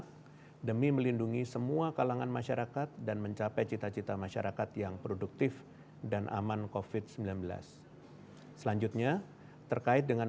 kedua setelah kedatangan